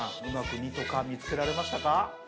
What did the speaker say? うまく「２」と「か」見つけられましたか？